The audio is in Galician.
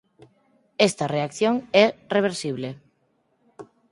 Esta reacción é reversible.